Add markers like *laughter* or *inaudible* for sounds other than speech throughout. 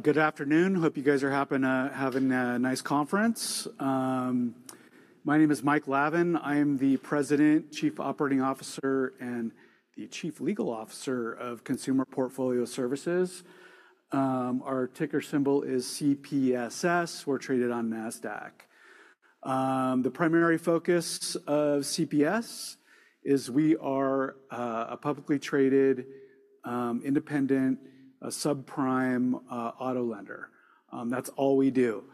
Good afternoon. Hope you guys are having a nice conference. My name is Mike Lavin. I am the President, Chief Operating Officer, and the Chief Legal Officer of Consumer Portfolio Services. Our ticker symbol is CPSS. We're traded on Nasdaq. The primary focus of CPS is we are a publicly traded, independent, subprime auto lender. That's all we do.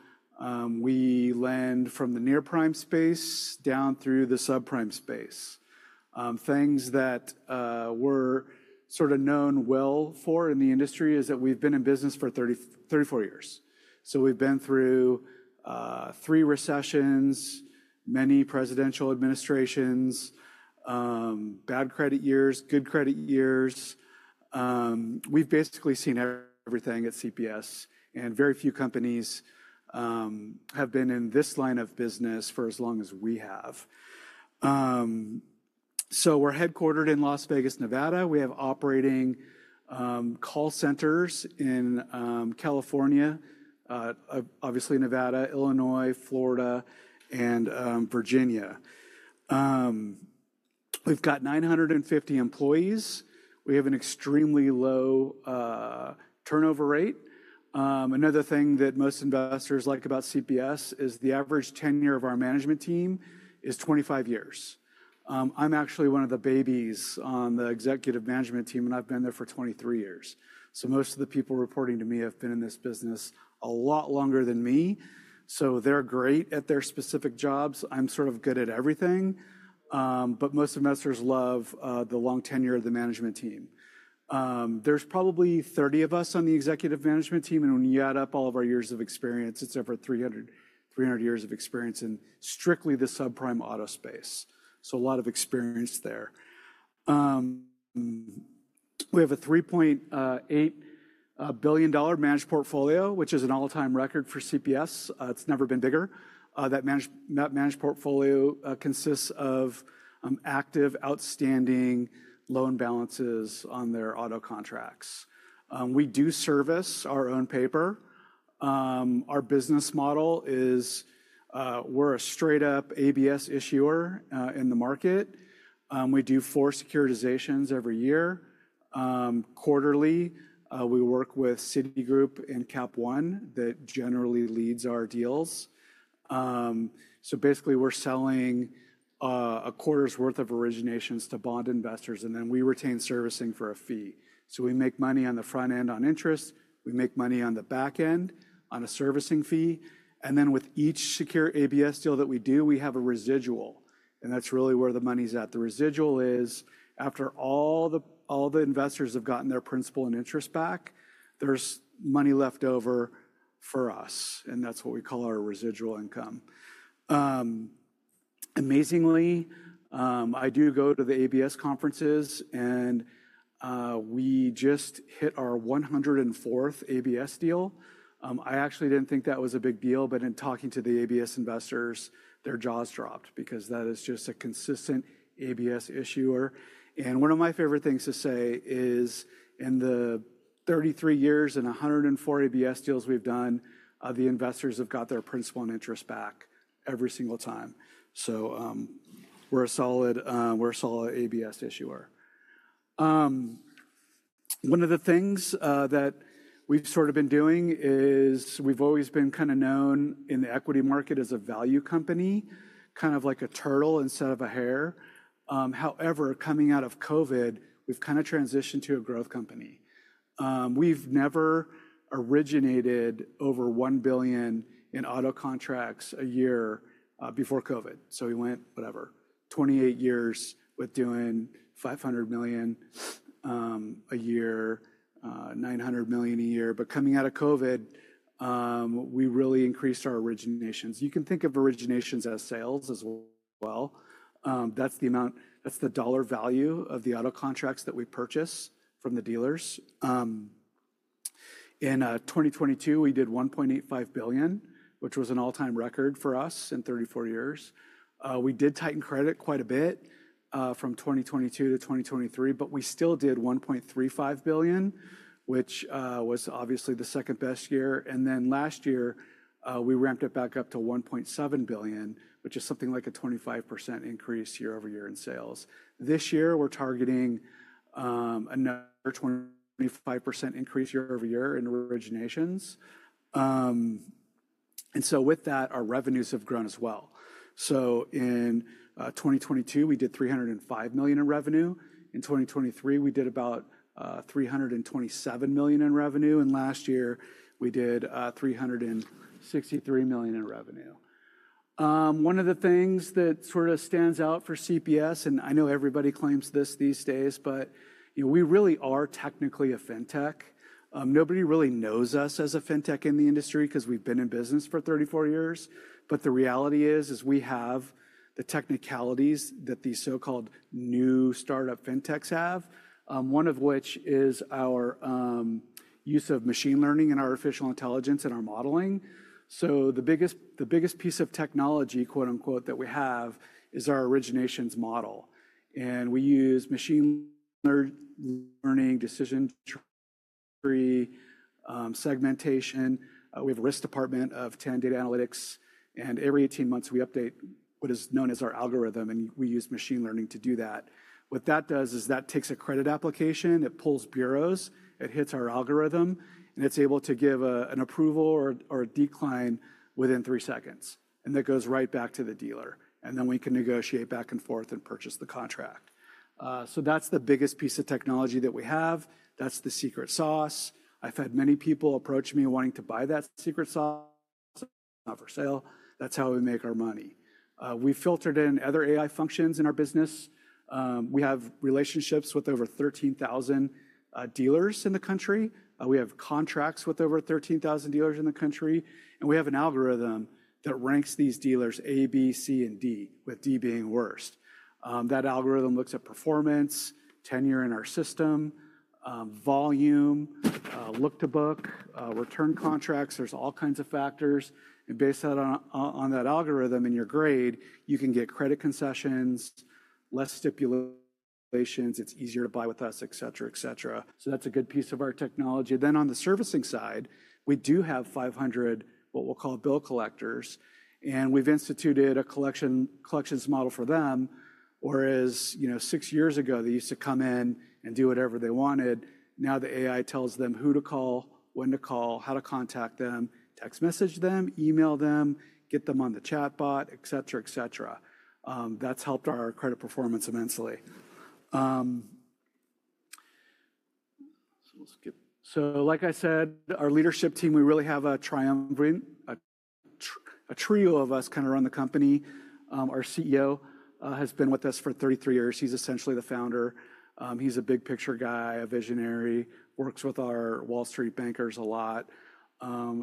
We lend from the near-prime space down through the subprime space. Things that we're sort of known well for in the industry is that we've been in business for 34 years. We've been through three recessions, many presidential administrations, bad credit years, good credit years. We've basically seen everything at CPS, and very few companies have been in this line of business for as long as we have. We're headquartered in Las Vegas, Nevada. We have operating call centers in California, obviously Nevada, Illinois, Florida, and Virginia. We've got 950 employees. We have an extremely low turnover rate. Another thing that most investors like about CPS is the average tenure of our management team is 25 years. I'm actually one of the babies on the executive management team, and I've been there for 23 years. Most of the people reporting to me have been in this business a lot longer than me. They're great at their specific jobs. I'm sort of good at everything. Most investors love the long tenure of the management team. There's probably 30 of us on the executive management team. When you add up all of our years of experience, it's over 300 years of experience in strictly the subprime auto space. A lot of experience there. We have a $3.8 billion managed portfolio, which is an all-time record for CPS. It's never been bigger. That managed portfolio consists of active, outstanding loan balances on their auto contracts. We do service our own paper. Our business model is we're a straight-up ABS issuer in the market. We do four securitizations every year. Quarterly, we work with Citigroup and Capital One that generally leads our deals. Basically, we're selling a quarter's worth of originations to bond investors, and then we retain servicing for a fee. We make money on the front end on interest. We make money on the back end on a servicing fee. With each securitized ABS deal that we do, we have a residual. That's really where the money's at. The residual is after all the investors have gotten their principal and interest back, there's money left over for us. That's what we call our residual income. Amazingly, I do go to the ABS conferences, and we just hit our 104th ABS deal. I actually didn't think that was a big deal, but in talking to the ABS investors, their jaws dropped because that is just a consistent ABS issuer. One of my favorite things to say is in the 33 years and 104 ABS deals we've done, the investors have got their principal and interest back every single time. We are a solid ABS issuer. One of the things that we've sort of been doing is we've always been kind of known in the equity market as a value company, kind of like a turtle instead of a hare. However, coming out of COVID, we've kind of transitioned to a growth company. We've never originated over $1 billion in auto contracts a year before COVID. We went, whatever, 28 years with doing $500 million a year, $900 million a year. Coming out of COVID, we really increased our originations. You can think of originations as sales as well. That is the dollar value of the auto contracts that we purchase from the dealers. In 2022, we did $1.85 billion, which was an all-time record for us in 34 years. We did tighten credit quite a bit from 2022 to 2023, but we still did $1.35 billion, which was obviously the second best year. Last year, we ramped it back up to $1.7 billion, which is something like a 25% increase year over year in sales. This year, we are targeting another 25% increase year over year in originations. With that, our revenues have grown as well. In 2022, we did $305 million in revenue. In 2023, we did about $327 million in revenue. Last year, we did $363 million in revenue. One of the things that sort of stands out for CPS, and I know everybody claims this these days, but we really are technically a fintech. Nobody really knows us as a fintech in the industry because we've been in business for 34 years. The reality is we have the technicalities that these so-called new startup fintechs have, one of which is our use of machine learning and artificial intelligence in our modeling. The biggest piece of technology, quote unquote, that we have is our originations model. We use machine learning, decision tree, segmentation. We have a risk department of 10 data analytics. Every 18 months, we update what is known as our algorithm. We use machine learning to do that. What that does is that takes a credit application, it pulls bureaus, it hits our algorithm, and it is able to give an approval or a decline within three seconds. That goes right back to the dealer. We can negotiate back and forth and purchase the contract. That is the biggest piece of technology that we have. That is the secret sauce. I have had many people approach me wanting to buy that secret sauce. Not for sale. That is how we make our money. We have filtered in other AI functions in our business. We have relationships with over 13,000 dealers in the country. We have contracts with over 13,000 dealers in the country. We have an algorithm that ranks these dealers A, B, C, and D, with D being worst. That algorithm looks at performance, tenure in our system, volume, look to book, return contracts. There's all kinds of factors. And based on that algorithm and your grade, you can get credit concessions, less stipulations, it's easier to buy with us, et cetera, et cetera. That's a good piece of our technology. On the servicing side, we do have 500 what we'll call bill collectors. We've instituted a collections model for them, whereas six years ago, they used to come in and do whatever they wanted. Now the AI tells them who to call, when to call, how to contact them, text message them, email them, get them on the chatbot, et cetera, et cetera. That's helped our credit performance immensely. Like I said, our leadership team, we really have a triumvirate, a trio of us kind of run the company. Our CEO has been with us for 33 years. He's essentially the founder. He's a big picture guy, a visionary, works with our Wall Street bankers a lot.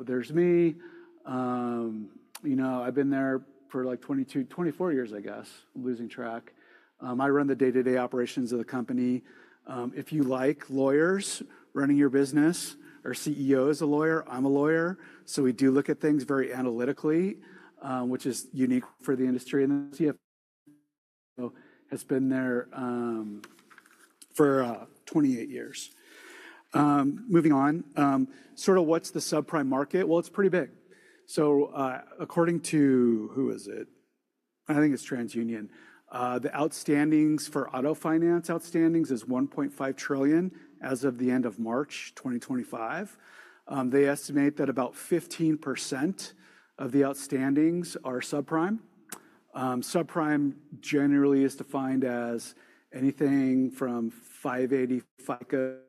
There's me. I've been there for like 22, 24 years, I guess. I'm losing track. I run the day-to-day operations of the company. If you like lawyers running your business or CEOs a lawyer, I'm a lawyer. We do look at things very analytically, which is unique for the industry. The CFO has been there for 28 years. Moving on, what's the subprime market? It's pretty big. According to, who is it? I think it's TransUnion. The outstandings for auto finance outstandings is $1.5 trillion as of the end of March 2025. They estimate that about 15% of the outstandings are subprime. Subprime generally is defined as anything from 580 FICO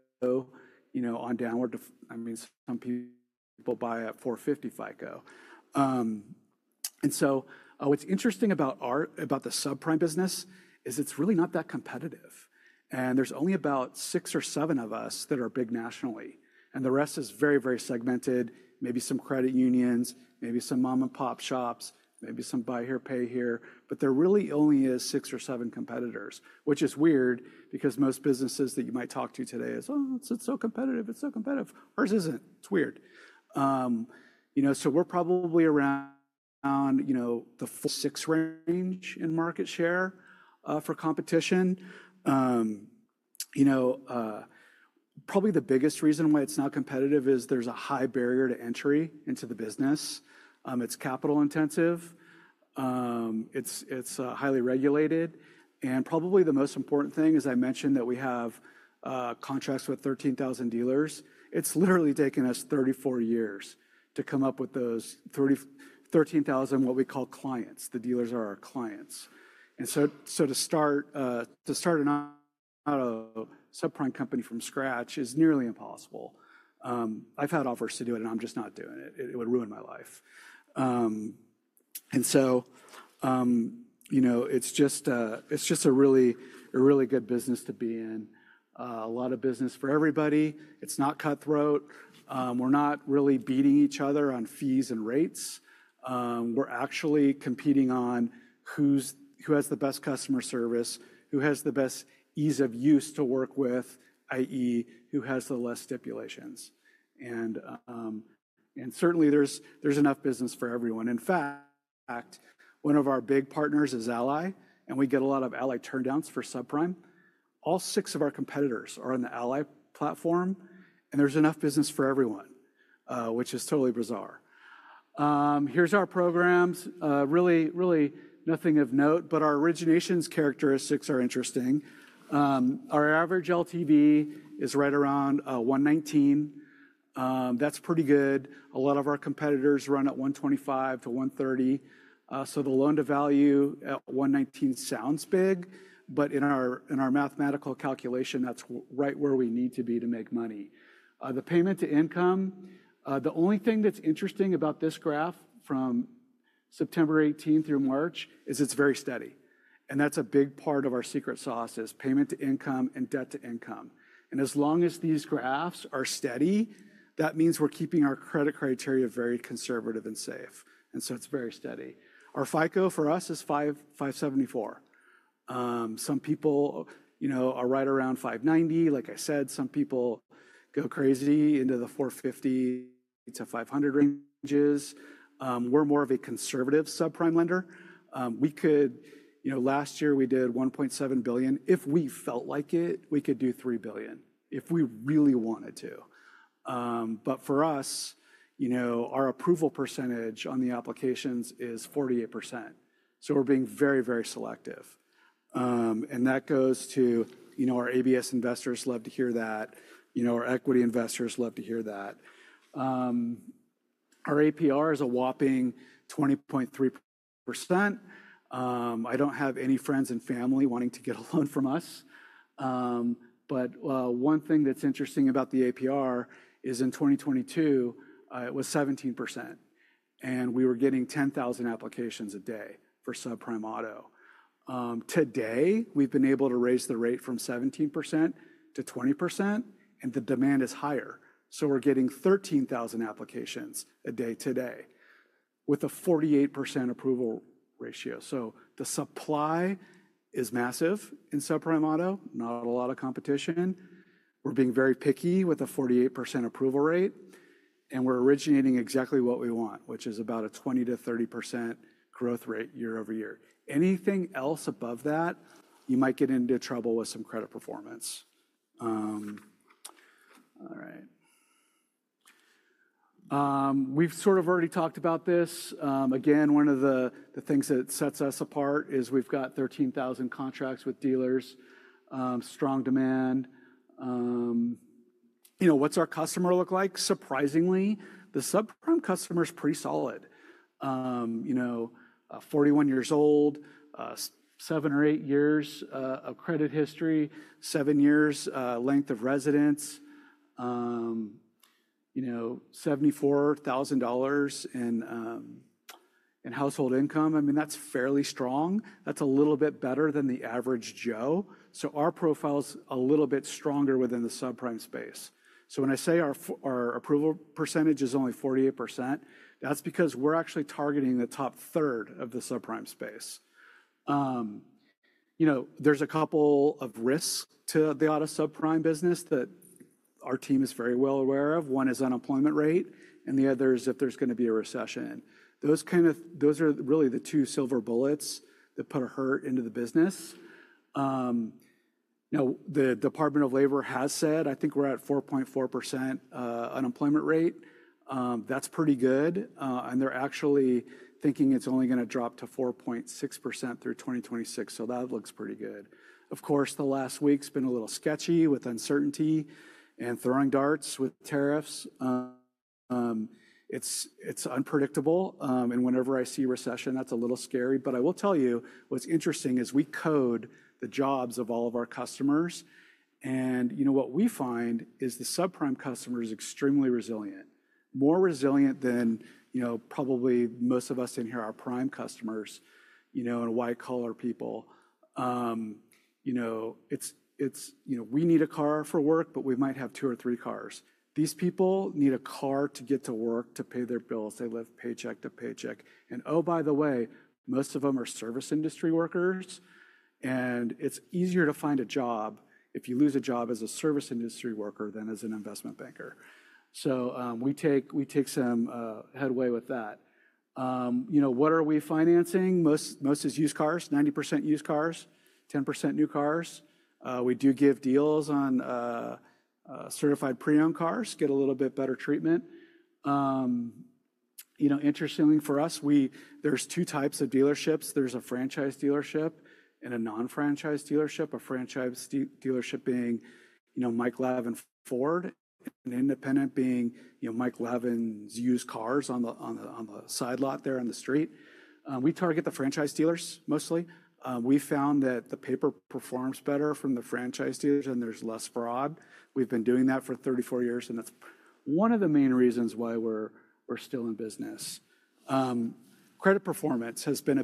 on downward. I mean, some people buy at 450 FICO. What's interesting about the subprime business is it's really not that competitive. There's only about six or seven of us that are big nationally. The rest is very, very segmented, maybe some credit unions, maybe some mom-and-pop shops, maybe some buy here, pay here. There really only is six or seven competitors, which is weird because most businesses that you might talk to today is, "Oh, it's so competitive. It's so competitive." Ours isn't. It's weird. We're probably around the six range in market share for competition. Probably the biggest reason why it's not competitive is there's a high barrier to entry into the business. It's capital intensive. It's highly regulated. Probably the most important thing is I mentioned that we have contracts with 13,000 dealers. It's literally taken us 34 years to come up with those 13,000, what we call clients. The dealers are our clients. To start an auto subprime company from scratch is nearly impossible. I've had offers to do it, and I'm just not doing it. It would ruin my life. It's just a really good business to be in. A lot of business for everybody. It's not cutthroat. We're not really beating each other on fees and rates. We're actually competing on who has the best customer service, who has the best ease of use to work with, i.e., who has the less stipulations. Certainly, there's enough business for everyone. In fact, one of our big partners is Ally, and we get a lot of Ally turndowns for subprime. All six of our competitors are on the Ally platform, and there's enough business for everyone, which is totally bizarre. Here's our programs. Really, really nothing of note, but our originations characteristics are interesting. Our average LTV is right around 119%. That's pretty good. A lot of our competitors run at 125%-130%. The loan to value at 119% sounds big, but in our mathematical calculation, that's right where we need to be to make money. The payment to income, the only thing that's interesting about this graph from September 18th through March is it's very steady. That is a big part of our secret sauce, is payment to income and debt to income. As long as these graphs are steady, that means we're keeping our credit criteria very conservative and safe. It is very steady. Our FICO for us is 574. Some people are right around 590. Like I said, some people go crazy into the 450-500 ranges. We're more of a conservative subprime lender. Last year, we did $1.7 billion. If we felt like it, we could do $3 billion if we really wanted to. For us, our approval percentage on the applications is 48%. We are being very, very selective. That goes to our ABS investors love to hear that. Our equity investors love to hear that. Our APR is a whopping 20.3%. I do not have any friends and family wanting to get a loan from us. One thing that is interesting about the APR is in 2022, it was 17%. We were getting 10,000 applications a day for subprime auto. Today, we have been able to raise the rate from 17% to 20%, and the demand is higher. We are getting 13,000 applications a day today with a 48% approval ratio. The supply is massive in subprime auto. Not a lot of competition. We're being very picky with a 48% approval rate. We're originating exactly what we want, which is about a 20-30% growth rate year over year. Anything else above that, you might get into trouble with some credit performance. All right. We've sort of already talked about this. Again, one of the things that sets us apart is we've got 13,000 contracts with dealers, strong demand. What's our customer look like? Surprisingly, the subprime customer is pretty solid. Forty-one years old, seven or eight years of credit history, seven years length of residence, $74,000 in household income. I mean, that's fairly strong. That's a little bit better than the average Joe. Our profile is a little bit stronger within the subprime space. When I say our approval percentage is only 48%, that's because we're actually targeting the top third of the subprime space. There's a couple of risks to the auto subprime business that our team is very well aware of. One is unemployment rate, and the other is if there's going to be a recession. Those are really the two silver bullets that put a hurt into the business. Now, the Department of Labor has said, "I think we're at 4.4% unemployment rate." That's pretty good. They're actually thinking it's only going to drop to 4.6% through 2026. That looks pretty good. Of course, the last week has been a little sketchy with uncertainty and throwing darts with tariffs. It's unpredictable. Whenever I see recession, that's a little scary. I will tell you, what's interesting is we code the jobs of all of our customers. What we find is the subprime customer is extremely resilient, more resilient than probably most of us in here who are prime customers, white-collar people. We need a car for work, but we might have two or three cars. These people need a car to get to work, to pay their bills. They live paycheck to paycheck. Oh, by the way, most of them are service industry workers. It is easier to find a job if you lose a job as a service industry worker than as an investment banker. We take some headway with that. What are we financing? Most is used cars, 90% used cars, 10% new cars. We do give deals on certified pre-owned cars, get a little bit better treatment. Interestingly, for us, there are two types of dealerships. There's a franchise dealership and a non-franchise dealership, a franchise dealership being Mike Lavin Ford and an independent being Mike Lavin's used cars on the sidelot there on the street. We target the franchise dealers mostly. We found that the paper performs better from the franchise dealers, and there's less fraud. We've been doing that for 34 years, and that's one of the main reasons why we're still in business. Credit performance has been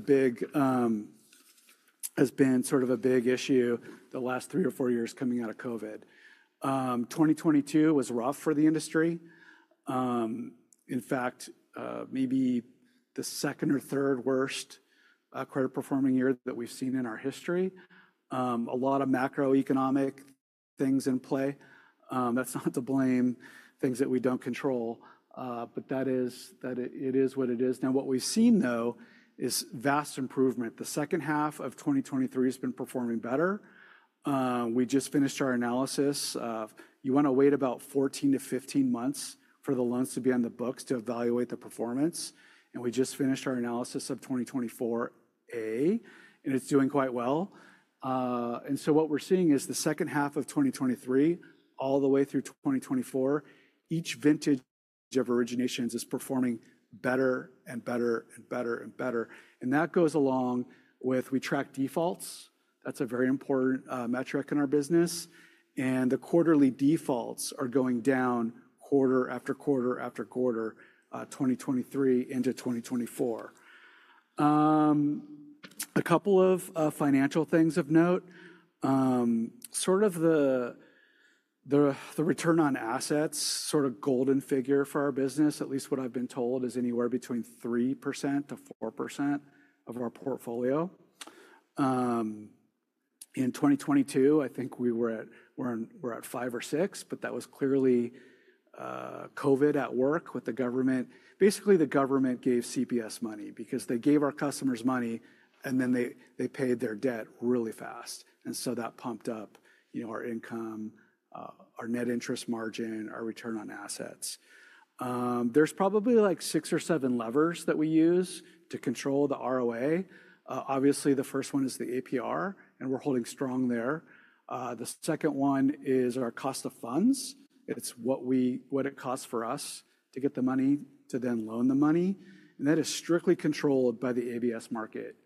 sort of a big issue the last three or four years coming out of COVID. 2022 was rough for the industry. In fact, maybe the second or third worst credit-performing year that we've seen in our history. A lot of macroeconomic things in play. That's not to blame things that we don't control, but it is what it is. Now, what we've seen, though, is vast improvement. The second half of 2023 has been performing better. We just finished our analysis. You want to wait about 14-15 months for the loans to be on the books to evaluate the performance. We just finished our analysis of 2024A, and it's doing quite well. What we're seeing is the second half of 2023, all the way through 2024, each vintage of originations is performing better and better and better and better. That goes along with we track defaults. That's a very important metric in our business. The quarterly defaults are going down quarter after quarter after quarter 2023 into 2024. A couple of financial things of note. Sort of the return on assets, sort of golden figure for our business, at least what I've been told, is anywhere between 3%-4% of our portfolio. In 2022, I think we were at five or six, but that was clearly COVID at work with the government. Basically, the government gave CPS money because they gave our customers money, and then they paid their debt really fast. That pumped up our income, our net interest margin, our return on assets. There are probably like six or seven levers that we use to control the ROA. Obviously, the first one is the APR, and we're holding strong there. The second one is our cost of funds. It's what it costs for us to get the money to then loan the money. That is strictly controlled by the ABS market.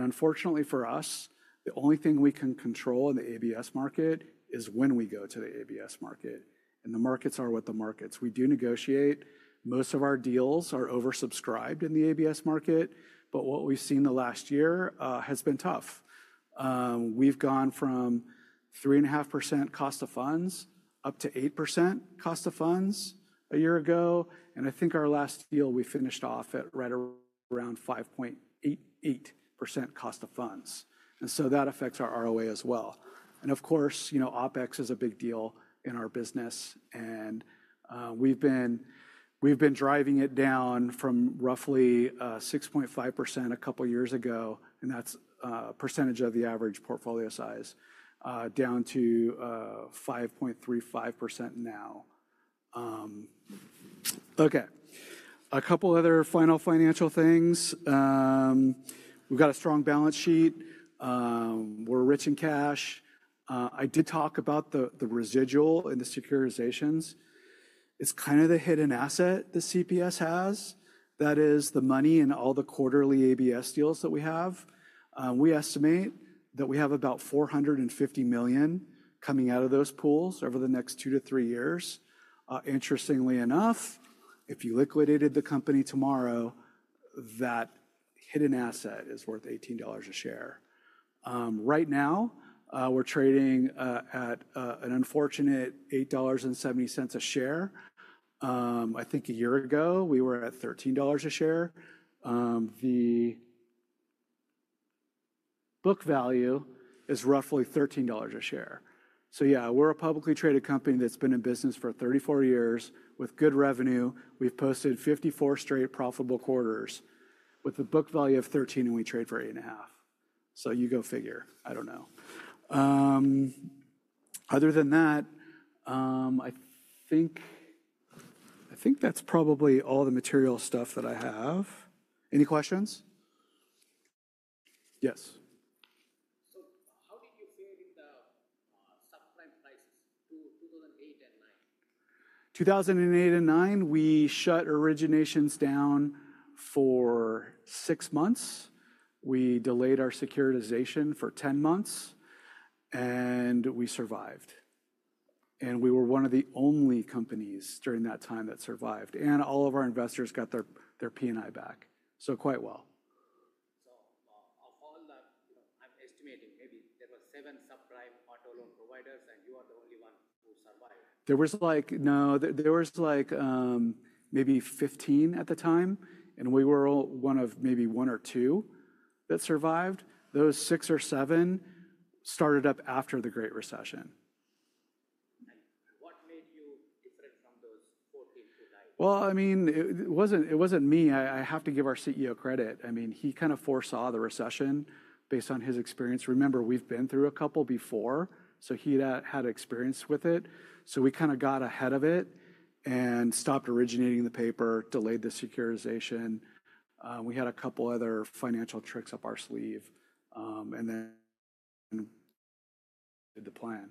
Unfortunately for us, the only thing we can control in the ABS market is when we go to the ABS market. The markets are what the markets. We do negotiate. Most of our deals are oversubscribed in the ABS market, but what we've seen the last year has been tough. We've gone from 3.5% cost of funds up to 8% cost of funds a year ago. I think our last deal, we finished off at right around 5.88% cost of funds. That affects our ROA as well. Of course, OpEx is a big deal in our business. We've been driving it down from roughly 6.5% a couple of years ago, and that's a percentage of the average portfolio size, down to 5.35% now. Okay. A couple of other final financial things. We've got a strong balance sheet. We're rich in cash. I did talk about the residual and the securitizations. It's kind of the hidden asset that CPS has. That is the money in all the quarterly ABS deals that we have. We estimate that we have about $450 million coming out of those pools over the next two to three years. Interestingly enough, if you liquidated the company tomorrow, that hidden asset is worth $18 a share. Right now, we're trading at an unfortunate $8.70 a share. I think a year ago, we were at $13 a share. The book value is roughly $13 a share. Yeah, we're a publicly traded company that's been in business for 34 years with good revenue. We've posted 54 straight profitable quarters with a book value of $13, and we trade for $8.50. You go figure. I don't know. Other than that, I think that's probably all the material stuff that I have. Any questions? Yes. *audio distortion* 2008 and 2009, we shut originations down for six months. We delayed our securitization for 10 months, and we survived. We were one of the only companies during that time that survived. All of our investors got their P&I back. Quite well. *audio distortion* There was like, no, there was like maybe 15 at the time. We were one of maybe one or two that survived. Those six or seven started up after the Great Recession. *audio distortion* I mean, it wasn't me. I have to give our CEO credit. He kind of foresaw the recession based on his experience. Remember, we've been through a couple before, so he had experience with it. We kind of got ahead of it and stopped originating the paper, delayed the securitization. We had a couple of other financial tricks up our sleeve. Then did the plan.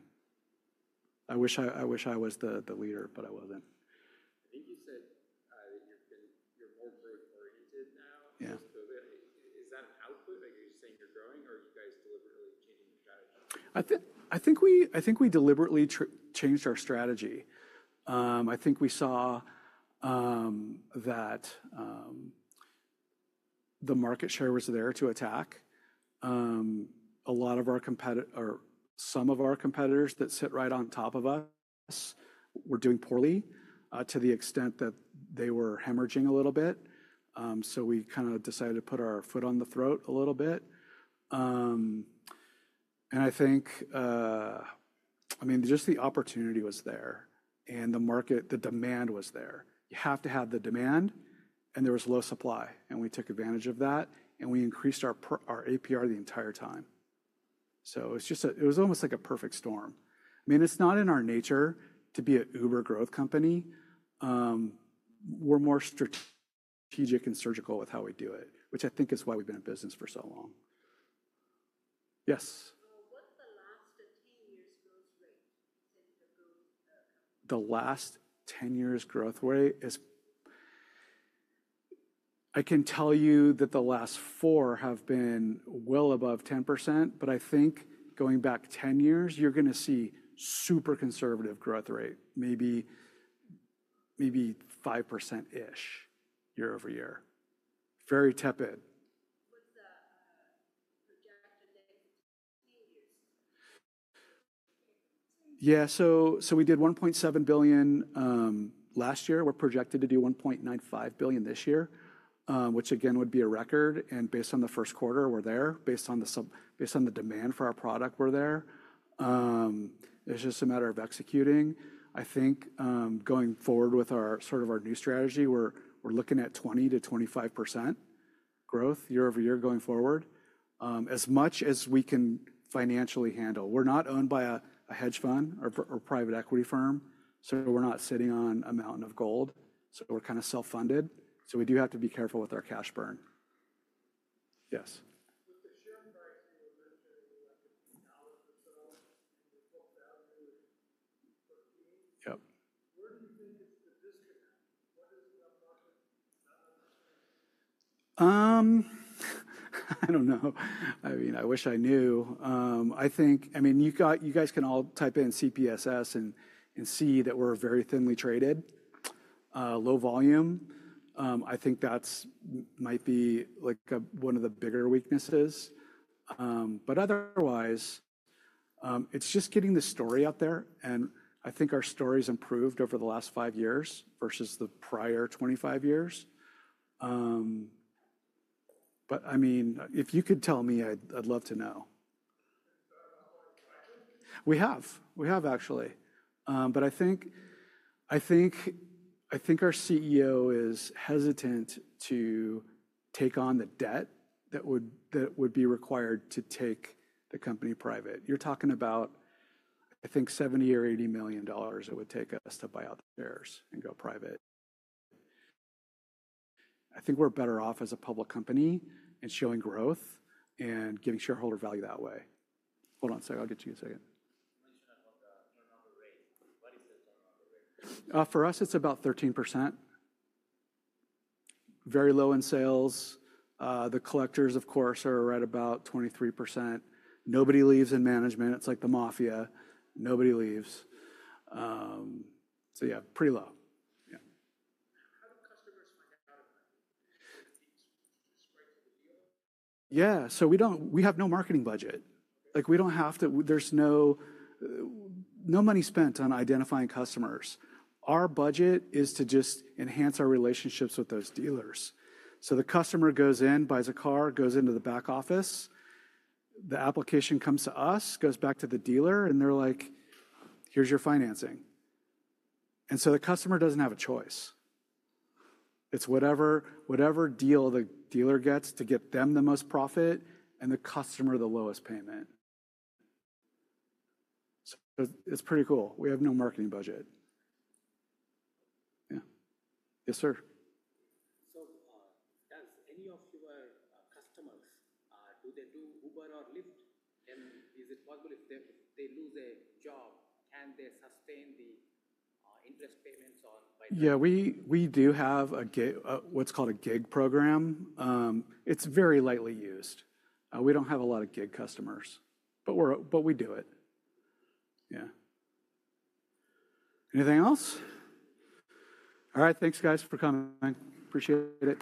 I wish I was the leader, but I wasn't. *audio distortion* I think we deliberately changed our strategy. I think we saw that the market share was there to attack. A lot of our competitors, or some of our competitors that sit right on top of us, were doing poorly to the extent that they were hemorrhaging a little bit. We kind of decided to put our foot on the throat a little bit. I think, I mean, just the opportunity was there, and the market, the demand was there. You have to have the demand, and there was low supply. We took advantage of that, and we increased our APR the entire time. It was almost like a perfect storm. I mean, it's not in our nature to be an uber growth company. We're more strategic and surgical with how we do it, which I think is why we've been in business for so long. Yes. *audio distortion* The last 10 years' growth rate is, I can tell you that the last four have been well above 10%, but I think going back 10 years, you're going to see super conservative growth rate, maybe 5%-ish year over year. Very tepid. *audio distortion* Yeah. We did $1.7 billion last year. We're projected to do $1.95 billion this year, which again would be a record. Based on the first quarter, we're there. Based on the demand for our product, we're there. It's just a matter of executing. I think going forward with sort of our new strategy, we're looking at 20%-25% growth year over year going forward, as much as we can financially handle. We're not owned by a hedge fund or private equity firm. We're not sitting on a mountain of gold. We're kind of self-funded. We do have to be careful with our cash burn. Yes. *audio distortion* I don't know. I wish I knew. I think, I mean, you guys can all type in CPSS and see that we're very thinly traded, low volume. I think that might be one of the bigger weaknesses. Otherwise, it's just getting the story out there. I think our story has improved over the last five years versus the prior 25 years. I mean, if you could tell me, I'd love to know. We have. We have, actually. I think our CEO is hesitant to take on the debt that would be required to take the company private. You're talking about, I think, $70 million or $80 million it would take us to buy out the shares and go private. I think we're better off as a public company and showing growth and giving shareholder value that way. Hold on a second. I'll get you in a second. *audio distortion* For us, it's about 13%. Very low in sales. The collectors, of course, are right about 23%. Nobody leaves in management. It's like the mafia. Nobody leaves. Yeah, pretty low. Yeah. *audio distortion* Yeah. We have no marketing budget. We don't have to. There's no money spent on identifying customers. Our budget is to just enhance our relationships with those dealers. The customer goes in, buys a car, goes into the back office. The application comes to us, goes back to the dealer, and they're like, "Here's your financing." The customer doesn't have a choice. It's whatever deal the dealer gets to get them the most profit and the customer the lowest payment. It's pretty cool. We have no marketing budget. Yes, sir. Any of your customers, do they do Uber or Lyft? Is it possible if they lose a job, can they sustain the interest payments? Yeah. We do have what's called a gig program. It's very lightly used. We don't have a lot of gig customers, but we do it. Yeah. Anything else? All right. Thanks, guys, for coming. Appreciate it.